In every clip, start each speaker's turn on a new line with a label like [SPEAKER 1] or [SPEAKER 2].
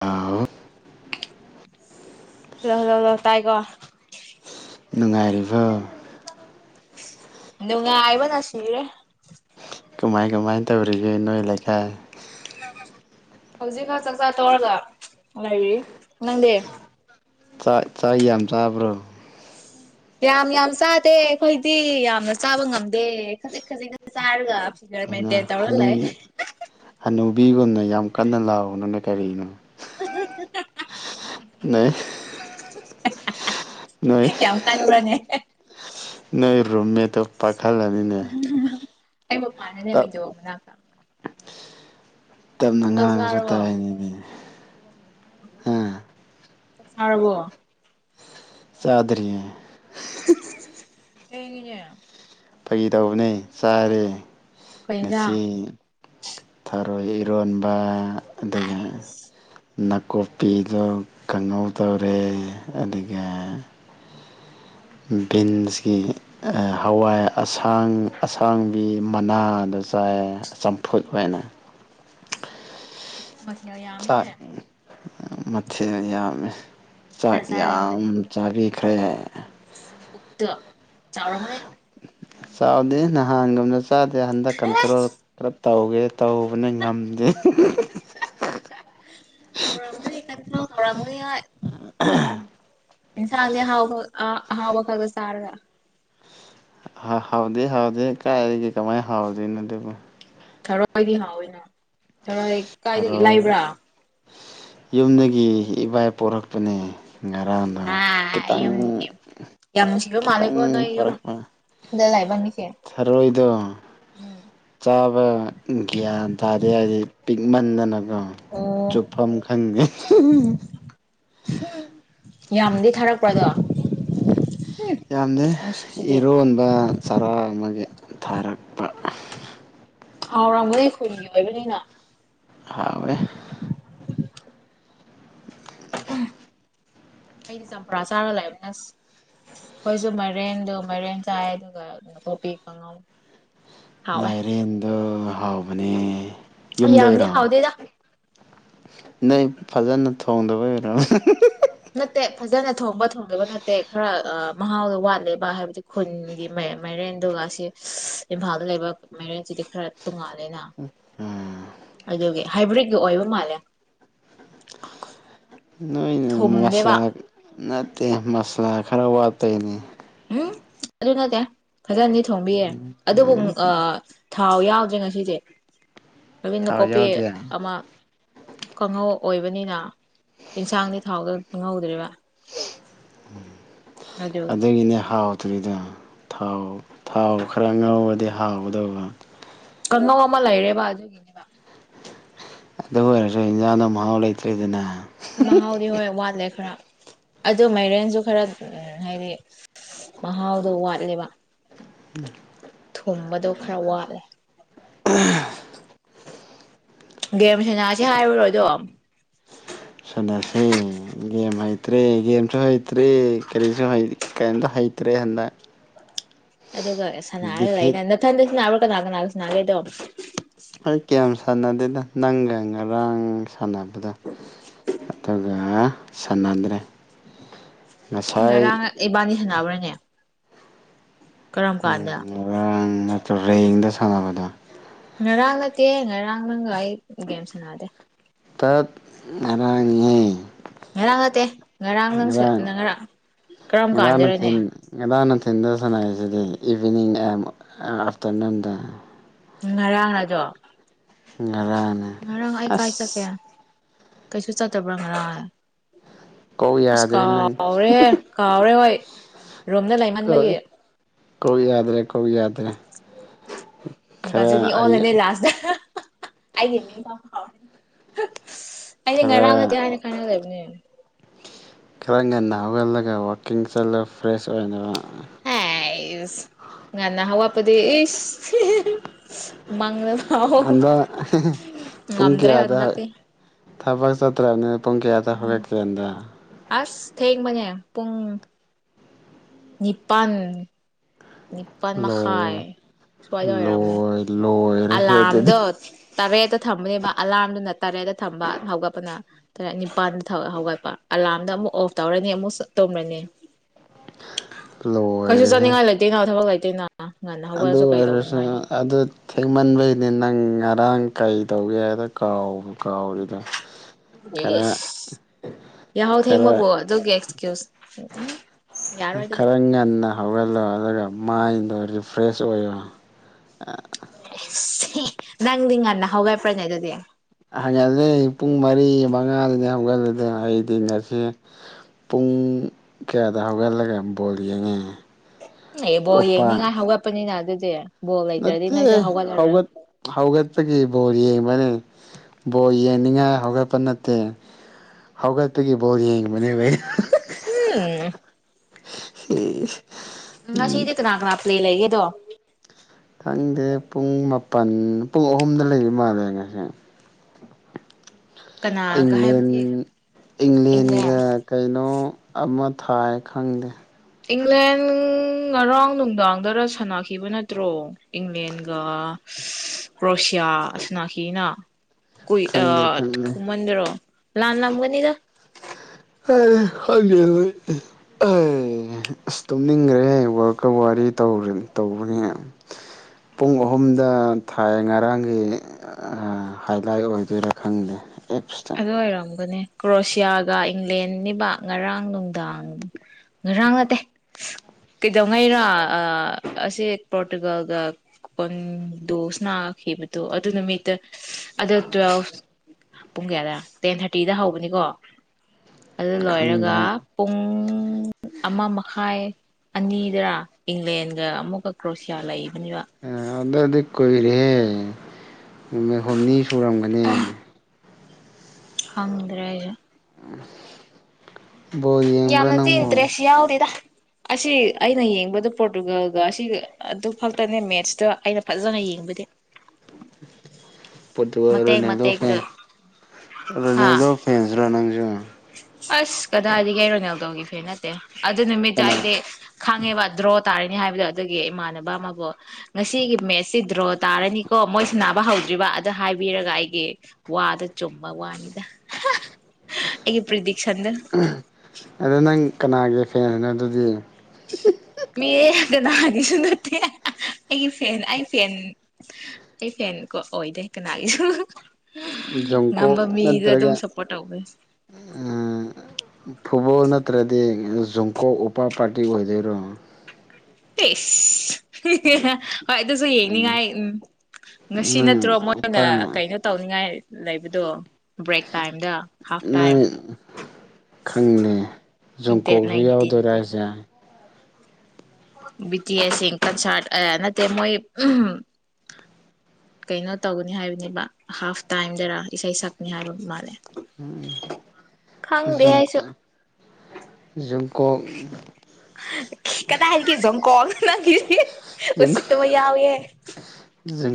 [SPEAKER 1] ꯑ
[SPEAKER 2] ꯍꯂꯗ ꯂ ꯇꯥꯏꯒꯣ
[SPEAKER 1] ꯅꯨꯡꯉꯥꯏꯔꯤꯕ
[SPEAKER 2] ꯅꯨꯡꯉꯥꯏꯕꯅ ꯁꯤꯔꯦ
[SPEAKER 1] ꯀꯃꯥꯏ ꯀꯃꯥꯏꯅ ꯇꯧꯔꯤꯒꯦ ꯅꯣꯏ ꯂꯩꯀꯥꯏ
[SPEAKER 2] ꯍꯧꯖꯤꯛꯀ ꯆꯥꯛꯆꯥ ꯇꯧꯔꯒ ꯂꯩꯔꯤ ꯅꯪꯗꯦ
[SPEAKER 1] ꯆꯥꯛ ꯆꯥꯛ ꯌꯥꯝ ꯆꯥꯕ꯭ꯔꯣ
[SPEAKER 2] ꯌꯥꯝ ꯌꯥꯝ ꯆꯥꯗꯦ ꯑꯩꯈꯣꯏꯗꯤ ꯌꯥꯝꯅ ꯆꯥꯕ ꯉꯝꯗꯦ ꯈꯖꯤꯛ ꯈꯖꯤꯛ ꯈꯛ ꯆꯥꯔꯒ ꯒꯔ ꯃꯇꯦ
[SPEAKER 1] ꯀꯩꯅꯣ
[SPEAKER 2] ꯇꯧꯔ ꯂ
[SPEAKER 1] ꯕꯤꯒꯨꯝꯅ ꯌꯥꯝ ꯀꯟꯅ ꯂꯥꯎꯕꯅꯅꯦ ꯀꯔꯤꯅꯣ
[SPEAKER 2] [unintelligible]
[SPEAKER 1] ꯅꯣꯏ
[SPEAKER 2] ꯌꯥꯝ ꯀꯂꯅꯦꯦ
[SPEAKER 1] ꯅ ꯔꯣꯝꯃꯦꯗ ꯄ ꯈꯔꯂꯅꯤꯅꯦ
[SPEAKER 2] ꯑꯩ ꯃꯄꯅꯅꯦ ꯑꯣꯏꯗ ꯃꯅꯥꯛꯇ
[SPEAKER 1] ꯇꯞꯅ
[SPEAKER 2] ꯆꯥꯛ
[SPEAKER 1] ꯉꯥꯡꯉꯁꯨ
[SPEAKER 2] ꯆꯥꯔꯕꯣ
[SPEAKER 1] ꯇꯥꯏꯅꯤ ꯃꯤꯅꯦ ꯑꯝ
[SPEAKER 2] ꯆꯞ ꯆꯥꯔꯔꯕꯣ
[SPEAKER 1] ꯆꯗꯔꯤꯌꯦ
[SPEAKER 2] ꯑꯦꯉ
[SPEAKER 1] ꯐꯒꯤ ꯇꯧꯕꯅꯦ ꯆꯥꯔꯦ
[SPEAKER 2] ꯀꯩ ꯏꯟꯖꯥꯡ
[SPEAKER 1] ꯉꯁꯤ ꯊ ꯑꯣꯏ ꯏꯔꯣꯟꯣꯟꯕ ꯑꯗꯨꯗꯒꯤ
[SPEAKER 2] ꯑꯥꯏꯁ
[SPEAKER 1] ꯅꯥꯀꯨꯞꯄꯤꯗꯣ ꯀꯥꯡꯉꯧ ꯇꯧꯔꯦ ꯑꯗꯨꯒ ꯕꯤꯟꯁꯀꯤ ꯍꯋꯥꯏ ꯑꯁꯥꯡ ꯑꯁꯥꯡꯕꯤ ꯃꯅꯥꯗ ꯆꯥꯏ ꯆꯝꯐꯨꯠ ꯑꯣꯏꯅ
[SPEAKER 2] [unintelligible] ꯃꯊꯌꯥ ꯌꯥꯝꯃꯤ ꯍꯥꯏ
[SPEAKER 1] ꯃꯊꯦ ꯑꯣꯏ ꯌꯥꯃꯦ
[SPEAKER 2] ꯐꯖꯅ
[SPEAKER 1] ꯥꯛ ꯌꯥꯝ
[SPEAKER 2] ꯆꯥꯔꯝꯒꯅꯤ
[SPEAKER 1] ꯆꯥꯕꯤꯈ꯭ꯔꯦ
[SPEAKER 2] ꯄꯨꯇ ꯆꯕꯔ ꯃ
[SPEAKER 1] ꯆꯥꯎꯗꯦ ꯅꯍꯥꯟꯪꯒꯝꯗ ꯆꯥꯗꯦ ꯍꯟꯗꯛ
[SPEAKER 2] ꯑꯁ
[SPEAKER 1] ꯀꯟꯇ꯭ꯔꯣꯜ ꯀ꯭ꯂꯞ ꯇꯧꯒꯦ ꯇꯧꯕꯅ ꯉꯝꯗꯦ
[SPEAKER 2] ꯑꯔꯃ ꯀꯊ꯭ꯔ ꯉꯧꯔꯥ ꯃꯔꯤ ꯎꯝ ꯁꯥꯡꯒꯦ ꯍꯥꯎꯕ ꯍꯥꯎꯕ ꯈꯒ ꯁꯥꯔꯒ
[SPEAKER 1] ꯍꯥꯎꯗꯤꯦ ꯍꯥꯎꯗꯦ ꯀꯥꯏꯒꯦ ꯀꯃꯥꯏꯅ ꯍꯥꯎꯗꯣꯏꯅꯣ ꯑꯗꯨꯕꯨ
[SPEAKER 2] ꯊꯔꯏꯗꯤ ꯍꯥꯎꯑꯣꯏꯅ ꯊꯔꯣꯏ ꯀꯥꯏꯗꯒꯤ
[SPEAKER 1] ꯊꯔꯣꯏ
[SPEAKER 2] ꯂꯩꯕ꯭ꯔꯥ
[SPEAKER 1] ꯌꯨꯝꯗꯒꯤ ꯏꯕꯥꯏ ꯄꯣꯔꯛꯄꯅꯤ ꯉꯔꯥꯡꯗ
[SPEAKER 2] ꯍꯥ
[SPEAKER 1] ꯈꯤꯇꯥꯡ
[SPEAKER 2] ꯌꯨꯝꯗꯒꯤ ꯌꯥꯝ ꯅꯨꯡꯁꯤꯕ
[SPEAKER 1] ꯈꯤꯇꯪ
[SPEAKER 2] ꯃꯥꯜꯂꯦꯀꯣ ꯅꯣꯏ
[SPEAKER 1] ꯄꯔꯛꯄ
[SPEAKER 2] ꯌꯨꯝꯗ ꯂꯩꯕ ꯃꯤꯁꯦ
[SPEAKER 1] ꯊꯔꯣꯏꯗ
[SPEAKER 2] ꯎꯝ
[SPEAKER 1] ꯆꯥꯕ ꯒ꯭ꯌꯥꯟ ꯇꯥꯔꯦ ꯍꯥꯏꯗꯤ ꯄꯤꯛ ꯃꯥꯟꯗꯅꯕ ꯑ
[SPEAKER 2] ꯑꯣ
[SPEAKER 1] ꯆꯨꯞꯐꯝ ꯈꯪꯉꯦ
[SPEAKER 2] ꯌꯥꯝꯅꯗꯤ ꯊꯥꯔꯛꯄ꯭ꯔꯗꯣ
[SPEAKER 1] ꯌꯥꯝꯅ
[SPEAKER 2] ꯅꯨꯡꯁꯤꯠꯁꯤꯗꯤ
[SPEAKER 1] ꯏꯔꯣꯟꯕ ꯆꯔꯥ ꯑꯃꯒꯤ ꯊꯥꯔꯛꯄ
[SPEAKER 2] ꯍꯥꯎꯔꯥꯡꯕꯗꯒꯤꯩ ꯈꯨꯟꯒꯤ ꯑꯣꯏꯕꯅꯤꯅ
[SPEAKER 1] ꯍꯥꯎꯋꯦ
[SPEAKER 2] ꯑꯩꯗꯤ ꯆꯝꯄ꯭ꯔꯥ ꯆꯥꯔ ꯂꯥꯛꯕ ꯅꯁ ꯑꯩꯈꯣꯏꯁꯨ ꯃꯥꯏꯔꯦꯟꯗ ꯃꯥꯏꯔꯦꯟ ꯆꯥꯏ ꯑꯗꯨꯒ ꯀꯣꯕꯤ ꯀꯥꯡꯉꯧ ꯍꯥꯎꯋꯦ
[SPEAKER 1] ꯃꯥꯏꯔꯤꯟꯗ ꯍꯥꯎꯕꯅꯦ
[SPEAKER 2] ꯌꯥꯝꯅꯦ
[SPEAKER 1] ꯌꯨꯝꯗꯩꯔꯣ
[SPEAKER 2] ꯍꯥꯎꯗꯦꯗ
[SPEAKER 1] ꯅꯣꯏ ꯐꯖꯅ ꯊꯣꯡꯗꯕ ꯑꯣꯏꯔꯔꯕ
[SPEAKER 2] ꯅꯠꯇꯦ ꯐꯖꯅ ꯊꯣꯡꯕ ꯊꯣꯡꯗꯕ ꯅꯠꯇꯦ ꯈꯔ ꯃꯍꯥꯎꯗꯣ ꯋꯥꯠꯂꯦꯕ ꯍꯥꯏꯕꯗꯤ ꯈꯨꯟꯒꯤ ꯃꯥꯏꯔꯦꯟꯗꯨꯒ ꯑꯁꯤ ꯏꯝꯐꯥꯜꯗ ꯂꯩꯕ ꯃꯥꯏꯔꯦꯟꯁꯤꯗꯤ ꯈꯔ ꯇꯣꯉꯥꯂꯦꯅ ꯑꯗꯨꯒꯤ ꯍꯥꯏꯕ꯭ꯔꯤꯠ ꯑꯣꯏꯕ ꯃꯥꯂꯦ
[SPEAKER 1] ꯅ ꯃꯁꯂ ꯅꯠꯇꯦ ꯃꯁꯂꯥ ꯈꯔ ꯋꯥꯠꯄꯩꯅꯤ
[SPEAKER 2] ꯎꯝ ꯑꯗꯨ ꯅ ꯇ ꯐꯖ ꯁꯣꯡꯕꯤꯌꯦꯦ ꯑꯗꯨꯕꯨ ꯊꯥꯎ ꯌꯥꯎꯗ꯭ꯔꯦ ꯉꯁꯤꯁꯦ ꯑꯕꯤꯤꯟꯟꯗ꯭ꯔ
[SPEAKER 1] ꯊꯥꯎ
[SPEAKER 2] ꯀꯣꯄꯤ
[SPEAKER 1] ꯌꯥꯎꯗꯦ
[SPEAKER 2] ꯑꯃ ꯀꯥꯡꯍꯧ ꯑꯣꯏꯕꯅꯤꯅ ꯌꯦꯟꯁꯥꯡꯗꯤ ꯊꯥꯎꯗ ꯈꯪꯍꯧꯗ꯭ꯔꯤꯕ
[SPEAKER 1] ꯑꯗꯨꯒꯤꯅꯦ ꯍꯥꯎꯦ ꯑꯗꯨꯏꯗ ꯊꯥꯎ ꯊꯥꯎ ꯈꯔ ꯉꯧꯔꯗꯤ ꯍꯥꯎꯒꯗꯧꯕ
[SPEAKER 2] ꯀꯥꯡꯉꯧ ꯑꯃ ꯂꯩꯔꯦꯕ ꯑꯗꯨꯒꯤꯅꯦꯕ
[SPEAKER 1] ꯑꯗꯨꯕꯨꯁꯨ ꯏꯟꯖꯥꯡꯅ ꯃꯥꯥꯎ ꯂꯩꯇ꯭ꯔꯔꯤꯗꯅ
[SPEAKER 2] ꯃꯍꯥꯎꯗꯤ ꯍꯣꯏ ꯋꯥꯟ ꯂ ꯈꯔ ꯑꯗꯨ ꯃꯥꯏꯔꯦꯟꯁꯨ ꯈꯔ ꯍꯥꯏꯗꯤ ꯃꯍꯥꯎꯗꯣ ꯋꯥꯠꯂꯦꯕ ꯊꯨꯝꯕꯗꯣ ꯈꯔ ꯋꯥꯠꯂꯦ ꯒꯦꯝꯁꯅꯥꯁ ꯍꯥꯏꯔꯨꯔꯣꯗꯣ
[SPEAKER 1] ꯍꯟꯗꯁ ꯒꯦꯝ ꯍꯩꯇ꯭ꯔꯦ ꯒꯦꯝꯁꯨ ꯍꯩꯇ꯭ꯔꯦ ꯀꯔꯤꯁꯨ ꯀꯔꯤꯝꯇ ꯍꯩꯇ꯭ꯔꯦ ꯍꯟꯗꯛ
[SPEAKER 2] ꯑꯗꯨꯒ ꯁꯥꯟꯅꯔꯒ
[SPEAKER 1] ꯗꯤꯐꯤꯠ
[SPEAKER 2] ꯂꯩꯅ ꯅꯅꯥꯊꯟꯗ ꯁꯔ ꯅꯥꯒꯅꯥꯁꯤꯅꯥꯒꯦꯗꯧ
[SPEAKER 1] ꯍ ꯀꯌꯥꯁ ꯁꯥꯟꯅꯗꯦꯗ ꯅꯪꯒ ꯉꯔꯥꯡ ꯁꯥꯟꯅꯕꯗꯣ ꯑꯗꯨꯒ ꯁꯥꯟꯅꯗ꯭ꯔꯦ ꯉꯁꯥꯏ
[SPEAKER 2] ꯉꯔꯥꯡ ꯏꯕꯥꯅꯤ ꯁꯥꯟꯅꯕ꯭ꯔꯅꯦ ꯀꯔꯝ ꯀꯥꯟꯗ
[SPEAKER 1] ꯔꯌꯦꯡꯗ ꯁꯥꯟꯅꯕꯗ
[SPEAKER 2] ꯉꯔꯥꯡ ꯅꯠꯇꯦ ꯉꯔꯥꯡ ꯅꯪꯒ ꯑꯩ ꯒꯦꯝ ꯁꯥꯟꯟꯅꯗꯦ
[SPEAKER 1] ꯇꯠ ꯉꯔꯅꯤꯦ
[SPEAKER 2] ꯉꯔꯥꯡ ꯅꯠꯇꯦ ꯉꯔꯥꯡ ꯅꯪ
[SPEAKER 1] ꯉꯥꯡ
[SPEAKER 2] ꯉꯔꯥꯡ ꯀꯔꯝ
[SPEAKER 1] ꯉꯔꯥꯡꯅ
[SPEAKER 2] ꯀꯥꯟꯗꯔꯅꯦ
[SPEAKER 1] ꯊꯤꯟ ꯉꯔꯥꯡꯅ ꯊꯤꯟꯗ ꯁꯅꯁꯤꯗꯤ ꯏꯚꯅꯤꯡ ꯑꯦ ꯑꯐꯇꯔꯅꯟꯗ
[SPEAKER 2] ꯎꯝ ꯉꯔꯥꯡ ꯅꯖꯣ
[SPEAKER 1] ꯔꯔꯅ
[SPEAKER 2] ꯆꯠꯀꯦ
[SPEAKER 1] ꯑꯁ
[SPEAKER 2] ꯀꯩꯁꯨ ꯆꯠꯇꯕ꯭ꯔꯥ ꯉꯔꯥꯡ
[SPEAKER 1] ꯀꯣꯛ
[SPEAKER 2] ꯑꯁ
[SPEAKER 1] ꯌꯥꯗ꯭ꯔꯦ ꯅꯪ
[SPEAKER 2] ꯀꯥꯎꯔꯦ ꯀꯥꯎꯔꯦ ꯍꯣꯏ ꯔꯣꯝꯗ ꯂꯩꯃꯟꯕꯒꯤ
[SPEAKER 1] ꯀꯣꯏ ꯌꯥꯗ꯭ꯔꯦ ꯀꯣꯏ ꯌꯥꯗ꯭ꯔꯦ ꯈꯔ
[SPEAKER 2] ꯒꯖꯅꯤ
[SPEAKER 1] ꯑꯩ
[SPEAKER 2] ꯑꯣꯜꯦꯅꯦ ꯂꯥꯁꯗ ꯍꯥꯏꯦꯃꯤ ꯄꯥꯄꯥꯎꯅꯦ ꯑꯩꯗꯤ ꯉꯔꯥꯡ
[SPEAKER 1] ꯈꯔ
[SPEAKER 2] ꯅꯗꯤꯦ ꯍꯥꯏꯅ ꯈꯪꯅꯖꯕꯅꯦ
[SPEAKER 1] ꯈꯔꯒ ꯅꯅꯥꯎꯒꯜꯂꯒ ꯋꯥꯥꯛꯀꯤꯡ ꯆꯠꯂꯒ ꯐ꯭ꯔꯦꯁ ꯑꯣꯏꯅ
[SPEAKER 2] ꯉꯥꯟꯅ ꯍꯋꯥ ꯄꯗꯦꯁ ꯃꯅ
[SPEAKER 1] ꯍꯟꯗꯛ
[SPEAKER 2] ꯑ ꯉꯗ꯭ꯔꯦ ꯍꯗꯀꯦ
[SPEAKER 1] ꯊꯥꯕꯥꯛ ꯆꯥꯇ꯭ꯔꯅ ꯄꯨꯡꯒꯤ ꯌꯥꯗ ꯍꯒꯀꯤꯕꯗ
[SPEAKER 2] ꯑꯁ ꯊꯦꯡ ꯃꯅꯦ ꯄꯨꯡ ꯅꯤꯄꯥꯟ
[SPEAKER 1] ꯂꯣꯏ ꯂꯣꯏ ꯂꯣꯏ
[SPEAKER 2] ꯑ ꯂꯝꯗꯣ ꯇꯕꯦ ꯊꯝꯕꯅꯦꯕ ꯑꯂꯥꯔꯝꯗꯨꯅ ꯇꯔꯦꯠꯇ ꯊꯝꯕ ꯍꯧꯒꯠꯄꯅ ꯇꯔꯦꯠ ꯅꯤꯄꯥꯜꯗ ꯍꯧꯒꯠꯄ ꯑꯂꯥꯔꯝꯗ ꯑꯃꯨꯛ ꯑꯣꯐ ꯇꯧꯔꯅꯤ ꯑꯃꯨꯛ ꯇꯣꯔꯅꯤ ꯀꯩꯁꯨ
[SPEAKER 1] ꯂꯣꯏꯔꯦꯍꯦ
[SPEAKER 2] ꯆꯠꯅꯤꯡꯉꯥꯏ ꯂꯩꯇꯦ ꯅ ꯊꯕꯛ ꯂꯩꯇꯦ ꯅ
[SPEAKER 1] ꯑꯗꯨ ꯑꯣꯏ ꯑꯗꯨ ꯊꯦꯃꯟ ꯅꯦ ꯅꯪ ꯉꯔꯥꯡ ꯀꯩ ꯇꯧꯒꯦ ꯍꯥꯏꯗ ꯀꯥꯎꯕ ꯀꯥꯎꯔꯤꯗꯣ
[SPEAKER 2] ꯌꯥꯎ
[SPEAKER 1] ꯈꯔ
[SPEAKER 2] ꯊꯦꯡꯕꯕꯨꯣ ꯑꯗꯨꯒꯤ ꯑꯦꯛꯁꯀ꯭ꯌꯨꯁ ꯌꯥꯔꯋꯥꯏꯗꯤ
[SPEAKER 1] ꯃꯥꯏꯗꯔ ꯐ꯭ꯔꯦꯁ ꯑꯣꯏꯣ
[SPEAKER 2] ꯅꯪꯗꯤ ꯉꯟꯅ ꯍꯧꯒꯥꯏ ꯄ꯭ꯔꯉꯩ ꯑꯗꯨꯗꯤ
[SPEAKER 1] ꯍꯪꯒꯂꯦ ꯄꯨꯡ ꯃꯔꯤ ꯃꯉꯥꯗꯅꯤ ꯍꯧꯒꯠꯂꯦ ꯑꯗꯨꯅ ꯑꯩꯗꯤ ꯉꯁꯤ ꯄꯨꯡ ꯀꯌꯥꯗ ꯍꯧꯒꯠꯂꯒ ꯕꯣꯜ ꯌꯦꯡꯉꯦ
[SPEAKER 2] ꯑꯦꯕꯣ
[SPEAKER 1] ꯎꯄꯥ
[SPEAKER 2] ꯌꯦꯡꯅꯤꯡꯉꯥꯏ ꯍꯧꯒꯠꯄꯅꯤꯅ ꯑꯗꯨꯗꯤꯦ
[SPEAKER 1] ꯅꯠꯇꯦ ꯍꯧꯒ ꯍꯧꯒꯠꯇꯒꯤꯕꯔꯤ ꯃ ꯕꯣꯜ ꯌꯦꯡꯅꯤꯡꯉꯥꯏ ꯍꯧꯒꯠꯄ ꯅꯠꯇꯦ ꯍꯧꯒꯠꯄꯒꯤ ꯕꯣꯜ ꯌꯦꯡꯕꯅꯤ ꯑꯩꯩ
[SPEAKER 2] ꯎꯝ
[SPEAKER 1] ꯍ
[SPEAKER 2] ꯎ ꯉ ꯁꯤꯗꯤ ꯀꯅꯥ ꯀꯅꯥ ꯄ꯭ꯂꯦ ꯂꯩꯒꯦꯗꯣ
[SPEAKER 1] ꯈꯪꯗꯦ ꯄꯨꯡ ꯃꯥꯄꯜ ꯄꯨꯡ ꯑꯍꯨꯝꯗ ꯂꯩꯕ ꯃꯥꯜꯂꯦ ꯉꯁꯦ
[SPEAKER 2] ꯀꯅꯥꯒ
[SPEAKER 1] ꯏꯪꯂꯦꯟ
[SPEAKER 2] ꯍꯥꯏꯕꯗꯤ ꯏꯪꯂꯦꯟ
[SPEAKER 1] ꯏꯪꯂꯦꯟꯒ ꯀꯩꯅꯣ ꯑꯃ ꯊꯥꯏ ꯈꯪꯗꯦ
[SPEAKER 2] ꯏꯪꯂꯦꯟ ꯉꯔꯥꯡ ꯅꯨꯡꯗꯥꯡꯗꯔ ꯁꯥꯟꯅꯈꯤꯕ ꯅꯠꯇ꯭ꯔꯣ ꯏꯪꯂꯦꯟꯒ ꯀ꯭ꯔꯣꯁꯤꯌꯥ ꯁꯥꯟꯅꯈꯤꯅ ꯀꯏ ꯑ
[SPEAKER 1] ꯈꯪꯗꯦ ꯈꯪꯗꯦ
[SPEAKER 2] ꯊꯨꯃꯟꯗ꯭ꯔꯣ ꯂꯥꯟ ꯂꯑꯒꯅꯤꯒ
[SPEAKER 1] ꯑꯔꯦ ꯍꯧꯒ ꯑꯦ ꯑꯁ ꯇꯨꯝꯅꯤꯡꯈ꯭ꯔꯦ ꯋꯥꯔꯀ ꯋꯥꯔꯤꯧ ꯇꯧꯕꯅꯤ ꯄꯨꯡ ꯑꯍꯨꯝꯗ ꯊꯥꯏ ꯉꯔꯥꯡꯒꯤ ꯍꯥꯏꯂꯥꯏꯠ ꯑꯣꯏꯗꯣꯏꯔꯥ ꯈꯪꯗꯦ ꯑꯦꯞꯁꯇ
[SPEAKER 2] ꯑꯗꯨ ꯑꯣꯏꯔꯑꯒꯅꯦ ꯀ꯭ꯔꯣꯁꯤꯌꯥꯒ ꯏꯪꯂꯦꯟ ꯅꯤꯕ ꯉꯔꯥꯡ ꯅꯨꯡꯗꯥꯡ ꯉꯔꯥꯡ ꯅꯗ ꯀꯩꯗꯧꯉꯩꯔꯥ ꯑꯁꯤꯁꯦ ꯄꯣꯔꯇꯨꯒꯜꯒ ꯀ ꯀꯟꯗꯣꯁ ꯈꯤꯕꯗꯣ ꯑꯗꯨ ꯅꯨꯃꯤꯠꯇ ꯑꯗꯨꯗ ꯇꯨꯋꯦꯜꯐ ꯄꯨꯡ ꯀꯌꯥꯗ ꯇꯦꯟ ꯊꯥꯔꯇꯤꯗ ꯍꯧꯕꯅꯤꯀꯣ ꯑꯗꯨ ꯂꯣꯏꯔꯒ
[SPEAKER 1] ꯈꯪꯗ꯭ꯔꯦ
[SPEAKER 2] ꯄꯨꯡ ꯑꯃ ꯃꯈꯥꯏ ꯑꯅꯤꯗꯔ ꯏꯪꯂꯦꯟꯒ ꯑꯃꯨꯛꯀ ꯀ꯭ꯔꯣꯁꯤꯌꯥ ꯂꯩ
[SPEAKER 1] ꯑ ꯑꯗ ꯀꯣꯏꯔꯦ ꯅꯨꯃꯤꯠ ꯍꯨꯝꯅꯤ ꯁꯨꯔꯝꯒꯅꯤ
[SPEAKER 2] ꯍꯗ꯭ꯔꯦꯖ
[SPEAKER 1] ꯕꯣꯜ ꯌꯦꯡꯕ꯭ꯔꯥ
[SPEAKER 2] ꯌꯥꯃ ꯇꯤ ꯏꯟ
[SPEAKER 1] ꯅꯪꯕꯨ
[SPEAKER 2] ꯇ ꯔꯦꯁ ꯌꯥꯎꯗꯗ ꯑꯁꯤ ꯑꯩꯅ ꯌꯦꯡꯕꯗ ꯄꯣꯔꯇꯨꯒꯜꯒ ꯑꯁꯤꯒ ꯑꯗꯨ ꯈꯛꯇꯅꯦ ꯃꯦꯠꯁꯇ ꯑꯩꯅ ꯐꯖꯅ ꯌꯦꯡꯕꯗꯤ
[SPEAKER 1] [unintelligible] ꯐꯣꯠꯇꯨ
[SPEAKER 2] ꯃꯇꯦꯛ
[SPEAKER 1] ꯔꯅꯦꯜꯗꯣ
[SPEAKER 2] ꯃꯇꯦꯛꯇ
[SPEAKER 1] ꯐꯦꯟ
[SPEAKER 2] ꯍꯥ
[SPEAKER 1] ꯔꯅꯦꯜꯗꯣ ꯐꯦꯟꯁꯤꯔ ꯅꯪꯁꯨ
[SPEAKER 2] ꯑꯁ ꯀꯗꯥꯗꯤꯒ ꯑꯩ ꯔꯣꯅꯦꯜ ꯇꯣꯒꯤ ꯐꯦ ꯅꯠꯇꯦ ꯑꯗꯨ ꯅꯨꯃꯤꯠꯇ
[SPEAKER 1] ꯀꯅꯥ
[SPEAKER 2] ꯑꯩꯗꯤ ꯈꯥꯡꯉꯦ ꯋꯥ ꯗ꯭ꯔꯣꯠ ꯇꯥꯔꯅꯤ ꯍꯥꯏꯕꯗꯣ ꯑꯗꯨꯒꯤ ꯏꯃꯥꯟꯅꯕ ꯑꯃꯕꯨ ꯉꯁꯤꯒꯤ ꯃꯦꯠꯁꯁꯤ ꯗ꯭ꯔꯣ ꯇꯥꯔꯅꯤꯀꯣ ꯃꯣꯏꯁꯤꯅꯥꯕ ꯍꯧꯗ꯭ꯔꯤꯕ ꯑꯗ ꯍꯥꯏꯕꯤꯔꯒ ꯑꯩꯒꯤ ꯋꯥꯗ ꯆꯨꯝꯕ ꯋꯥꯅꯤꯗ ꯑꯩꯒꯤ ꯄ꯭ꯔꯤꯗꯤꯛꯁꯟꯗ
[SPEAKER 1] ꯑꯗꯣ ꯅꯪ ꯀꯅꯥꯒꯤ ꯐꯦ ꯍꯥꯏꯅ ꯑꯗꯨꯗꯤ
[SPEAKER 2] ꯑꯦ ꯀꯅꯥꯒꯤꯁꯨ ꯅꯠꯇꯦ ꯑꯩꯒꯤ ꯐꯦꯟ ꯑꯩ ꯐꯦꯟ ꯑꯩ ꯐꯦꯟ ꯀꯣ ꯑꯣꯏꯗꯦ ꯀꯅꯥꯒꯤꯁꯨ
[SPEAKER 1] ꯖꯣꯡꯀꯣꯛ
[SPEAKER 2] ꯉꯝꯕ ꯃꯤꯗ ꯑꯗꯨꯝ
[SPEAKER 1] ꯅꯠꯇ꯭ꯔꯒ
[SPEAKER 2] ꯁꯞꯄꯣꯔꯠ ꯇꯧꯕꯅꯦ
[SPEAKER 1] ꯐꯨꯕꯣꯜ ꯅꯠꯇ꯭ꯔꯗꯤ ꯖꯨꯀꯣ ꯎꯄꯥ ꯄꯥꯇꯤ ꯑꯣꯏꯏꯗꯣꯏꯔꯣ
[SPEAKER 2] ꯇꯁ ꯍꯣꯏ ꯑꯗꯨꯁꯨ ꯌꯦꯡꯅꯤꯡꯉꯥꯏ ꯎꯝ ꯉꯁꯤ ꯅꯠꯇ꯭ꯔꯣ
[SPEAKER 1] ꯅꯪ
[SPEAKER 2] ꯃꯣꯏꯅ
[SPEAKER 1] ꯎꯄꯥ
[SPEAKER 2] ꯀꯩꯅꯣ ꯇꯧꯅꯤꯡꯉꯥꯏ ꯂꯩꯕꯗꯣ ꯕ꯭ꯔꯦꯛ ꯇꯥꯏꯝꯗ ꯍꯥꯐ ꯇꯥꯏꯝ
[SPEAKER 1] ꯅꯪ ꯈꯪꯗꯦ
[SPEAKER 2] ꯗꯦꯠ
[SPEAKER 1] ꯖꯣꯡꯀꯣꯛꯁꯨ
[SPEAKER 2] ꯅꯥꯏꯟꯇꯤꯟꯗ
[SPEAKER 1] ꯌꯥꯎꯗꯣꯏꯔꯥꯖꯦ
[SPEAKER 2] ꯕꯤ ꯇꯤ ꯑꯦꯁꯤꯡ ꯀꯟꯁꯥꯔꯠ ꯅꯠꯇꯦ ꯃꯣꯏ ꯀꯩꯅꯣ ꯇꯧꯒꯅꯤ ꯍꯥꯏꯕꯅꯦꯕ ꯍꯥꯐ ꯇꯥꯏꯝꯗꯔ ꯏꯁꯩ ꯁꯛꯅꯤ ꯍꯥꯏꯕ ꯃꯥꯜꯂꯦ ꯈꯪꯗꯦ ꯑꯩꯁꯨ
[SPEAKER 1] ꯎꯝꯨꯀꯨꯨꯨ ꯀꯣ
[SPEAKER 2] ꯀꯗꯥꯏ ꯍꯥꯏꯒꯦ ꯀꯣ
[SPEAKER 1] ꯖꯨꯡꯀꯣꯛ
[SPEAKER 2] ꯃꯁꯤꯠꯇꯃ ꯌꯥꯎꯋꯦ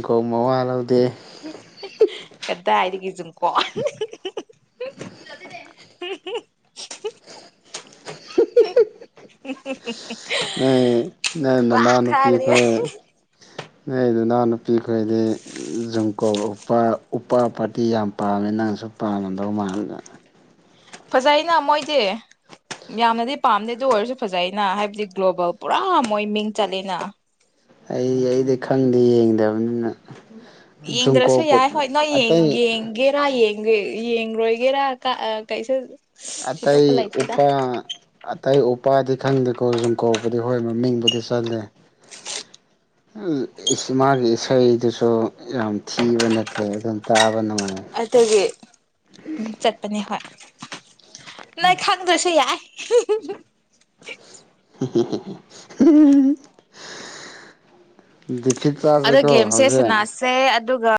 [SPEAKER 1] ꯀꯧ ꯃꯑꯣꯜ
[SPEAKER 2] ꯑꯦꯗ ꯍꯥꯏꯥꯏꯗꯤꯒꯤꯖ ꯀ
[SPEAKER 1] ꯅ ꯅ ꯅꯅꯥꯅꯨ
[SPEAKER 2] ꯊꯥꯒꯅꯤ
[SPEAKER 1] ꯄꯤꯈꯣꯏ ꯅ ꯑꯗꯨꯅ ꯅꯨꯄꯤꯈꯣꯏꯗꯤ ꯖꯨꯝꯀꯣꯛ ꯎꯄꯥ ꯄꯥꯔꯇꯤ ꯌꯥꯝ ꯄꯥꯝꯃꯦ ꯅꯪꯁꯨ ꯄꯥꯝꯃꯗꯧ ꯃꯥꯟꯗ
[SPEAKER 2] ꯐꯖꯩꯅ ꯃꯣꯏꯗꯤ ꯌꯥꯝꯅꯗꯤ ꯄꯥꯝꯗꯦ ꯑꯗꯨ ꯑꯣꯏꯔꯁꯨ ꯐꯖꯩꯅ ꯍꯥꯏꯕꯗꯤ ꯒ꯭ꯂꯣꯕꯦꯜ ꯄꯨꯔꯥ ꯃꯣꯏ ꯃꯤꯡ ꯆꯠꯂꯦꯅ
[SPEAKER 1] ꯑꯩ ꯑꯩꯗꯤ ꯈꯪꯗꯦ ꯌꯦꯡꯗꯕꯅꯤꯅ
[SPEAKER 2] ꯌꯦꯡꯗ꯭ꯔꯁꯨ
[SPEAKER 1] ꯖꯨꯡꯀꯣꯛꯄꯨ
[SPEAKER 2] ꯌꯥꯏ ꯍꯣꯏ ꯅꯣꯏ
[SPEAKER 1] ꯑꯇꯩ
[SPEAKER 2] ꯌꯦꯡꯒꯦꯔꯥ ꯌꯦꯡꯒꯦ ꯌꯦꯡꯣꯏꯒꯦꯔꯥ ꯀꯩꯁꯨ
[SPEAKER 1] ꯑꯇꯩ
[SPEAKER 2] ꯊꯤꯗꯣꯛꯄ ꯂꯩꯇꯦꯗ
[SPEAKER 1] ꯎꯄꯥ ꯑꯇꯩ ꯎꯄꯥꯗꯤ ꯈꯪꯗꯀꯣ ꯨꯝ ꯀꯧꯕ ꯑꯗꯨ ꯍꯣꯏ ꯃꯃꯤꯡꯕꯨꯗꯤ ꯆꯜꯂꯦ ꯃꯥꯒꯤ ꯏꯁꯩꯗꯨꯁꯨ ꯌꯥꯝ ꯊꯤꯕ ꯅꯠꯇꯦ ꯑꯗꯨꯝ ꯇꯥꯕ ꯅꯨꯡꯉꯥꯏ
[SPEAKER 2] ꯑꯗꯨꯒꯤꯝ ꯆꯠꯄꯅꯦ ꯍꯣꯏ ꯅ ꯈꯪ ꯇ ꯁꯤ ꯌꯥꯏ [unintelligible]
[SPEAKER 1] [unintelligible] ꯗꯤꯐꯤ
[SPEAKER 2] ꯑꯗꯣ
[SPEAKER 1] ꯇꯥꯥꯁꯦꯀꯣ
[SPEAKER 2] ꯒꯦꯝꯁꯦ
[SPEAKER 1] ꯍꯧꯁꯦꯟ
[SPEAKER 2] ꯁꯅꯥꯁꯦ ꯑꯗꯨꯒ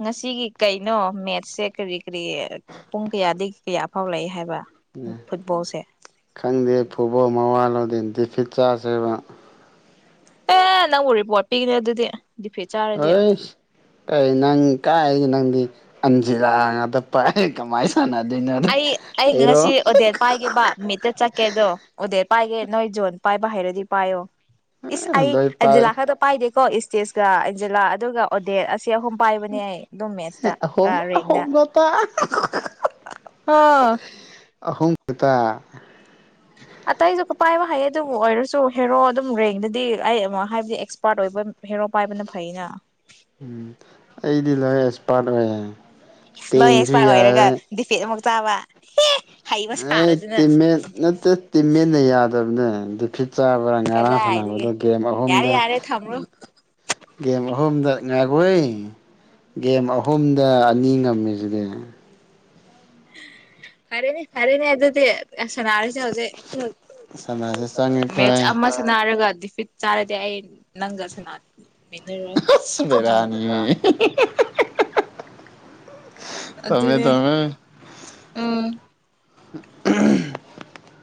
[SPEAKER 2] ꯉꯁꯤꯒꯤ ꯀꯩꯅꯣ ꯃꯦꯠꯁꯦ ꯀꯔꯤ ꯀꯔꯤ ꯄꯨꯡ ꯀꯌꯥꯗꯒꯤ ꯀꯌꯥꯐꯥꯎ ꯂꯩ ꯍꯥꯏꯕ
[SPEAKER 1] ꯎ
[SPEAKER 2] ꯐꯨꯠꯕꯣꯜꯁꯦ
[SPEAKER 1] ꯈꯪꯗꯦ ꯄꯨꯕꯣ ꯃꯋꯥꯂꯣꯗꯤꯟ ꯇꯗꯤꯐꯤ ꯆꯥꯥꯁꯦꯕ
[SPEAKER 2] ꯑꯦ ꯅꯪ ꯎꯔꯤꯕ ꯋꯥꯠꯄꯤꯒꯅꯦ ꯑꯗꯨꯗꯤ ꯗꯤꯐꯦꯠ ꯆꯥꯔꯗꯤ
[SPEAKER 1] ꯍꯣꯏ ꯀ ꯅꯪ ꯀꯥꯏ ꯅꯪ ꯑꯟꯖꯤꯂꯥꯗ ꯄꯥꯏ ꯀꯃꯥꯏ ꯁꯥꯟꯅꯗꯣꯏꯅꯣ
[SPEAKER 2] ꯑꯩ ꯑꯩ ꯉꯁꯤ
[SPEAKER 1] ꯑꯩꯔꯣ
[SPEAKER 2] ꯑꯣꯗꯦꯠ ꯄꯥꯏꯒꯦꯕ ꯃꯤꯠꯇ ꯆꯠꯀꯦꯗꯣ ꯑꯣꯗꯦꯠ ꯄꯥꯏꯒꯦ ꯅꯣꯏ ꯖꯣꯟ ꯄꯥꯏ ꯍꯔꯗꯤ ꯄꯥꯏ ꯑꯣ ꯏꯁ
[SPEAKER 1] ꯂꯣꯏ ꯄꯥꯏ
[SPEAKER 2] ꯑꯩꯖꯂꯁꯥꯗ ꯄꯥꯏ ꯀꯣ ꯏꯁꯇꯦꯖꯀ ꯑꯦꯟꯖꯦꯂꯥ ꯑꯗꯨꯒ ꯑꯣꯗꯦꯠ ꯁꯤ ꯑꯍꯨꯝ ꯄꯥꯏꯕꯅꯦ ꯑꯩ ꯑꯗꯨꯝ ꯃꯦꯠꯁꯇ
[SPEAKER 1] ꯑꯍꯨꯝ
[SPEAKER 2] ꯔꯦꯡꯗ
[SPEAKER 1] ꯑꯍꯨꯝ [unintelligible]
[SPEAKER 2] ꯑꯥ
[SPEAKER 1] ꯑꯍꯨꯝꯁꯤꯇꯥ
[SPEAKER 2] ꯑꯇꯩꯁꯨ ꯄꯥꯏꯕ ꯐꯩ ꯑꯗꯨꯕꯨ ꯑꯣꯏꯔꯁꯨ ꯍꯦꯔꯣ ꯑꯗꯨꯝ ꯔꯦꯡꯗꯗꯤ ꯑꯩ ꯑꯃ ꯍꯥꯏꯕꯗꯤ ꯑꯦꯛꯁꯄꯥꯔꯠ ꯑꯣꯏꯕ ꯍꯦꯔꯣ ꯄꯥꯏꯕꯅ ꯐꯩꯩꯅ
[SPEAKER 1] ꯎꯝ ꯑꯩꯗꯤ ꯂꯣꯏ ꯑꯦꯛꯁꯄꯥꯔꯠ ꯑꯣꯏꯌꯦꯦ
[SPEAKER 2] ꯂꯣꯏ ꯑꯦꯛꯁꯄꯥꯔ ꯑꯣꯏꯔꯒ ꯗꯤꯐꯦꯠ ꯑꯃ ꯇꯕ
[SPEAKER 1] ꯑꯦ ꯇꯃꯦ ꯅꯠꯇ ꯇꯤꯃꯦ ꯅ ꯌꯥꯗ ꯇꯅꯦ ꯗꯨꯈꯤ ꯆꯥꯕꯔ ꯉꯔꯥꯡ
[SPEAKER 2] ꯀꯗꯥꯏꯗꯒꯤ
[SPEAKER 1] ꯁꯥꯟꯅꯕꯗꯣ ꯒꯦꯝ
[SPEAKER 2] ꯌꯥꯔꯦ
[SPEAKER 1] ꯑꯍꯨꯝꯗ
[SPEAKER 2] ꯌꯥꯔꯦ ꯊꯝꯔꯣ
[SPEAKER 1] ꯒꯦꯝ ꯑꯍꯨꯝ ꯑꯍꯨꯝꯗ ꯉꯥꯏꯈꯣꯏ ꯒꯦꯝ ꯑꯍꯨꯝꯗ ꯑꯅꯤ ꯉꯝꯃꯤꯁꯤꯗꯤ
[SPEAKER 2] ꯐꯔꯦꯅꯦ ꯐꯔꯦ ꯅ ꯑ ꯑꯗꯨꯗꯤ ꯑꯁꯔ ꯍꯧꯖꯤꯛ ꯍꯧꯖꯤꯛ
[SPEAKER 1] ꯁꯅꯥꯁꯦ ꯆꯪꯉꯦ
[SPEAKER 2] ꯃꯦꯠꯆ
[SPEAKER 1] ꯑꯩꯈꯣꯏ
[SPEAKER 2] ꯑꯃꯁꯤ ꯅꯥꯔꯒꯗꯤ ꯐ ꯆꯥꯔꯦꯗꯤ ꯅꯪꯖꯁꯅꯅꯥ
[SPEAKER 1] ꯑꯁꯃꯤꯔꯅꯤ ꯇꯃꯦ
[SPEAKER 2] ꯑꯗꯨꯅꯦ
[SPEAKER 1] ꯇꯃꯦ
[SPEAKER 2] ꯎꯝ
[SPEAKER 1] [unintelligible]